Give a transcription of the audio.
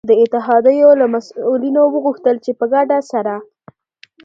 د اتحادیو له مسؤلینو وغوښتل چي په ګډه سره